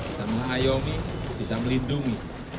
bisa mengayomi bisa melindungi